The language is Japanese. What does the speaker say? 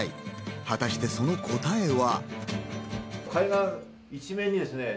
果たしてその答えは。